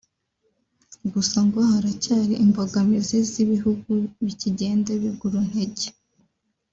Gusa ngo haracyari imbogamizi z’ibihugu bikigenda biguruntege